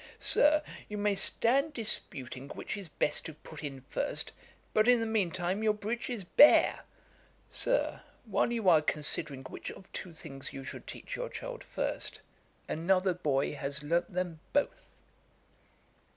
Sir, you may stand disputing which is best to put in first, but in the mean time your breech is bare. Sir, while you are considering which of two things you should teach your child first, another boy has learnt them both.'